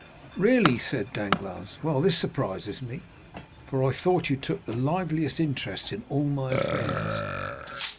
"Really?" said Danglars. "Well, this surprises me, for I thought you took the liveliest interest in all my affairs!"